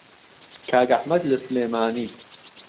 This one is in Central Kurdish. کاک ئهحمهد له سولێمانی